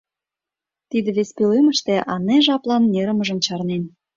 Тиде вес пӧлемыште Анэ жаплан нерымыжым чарнен.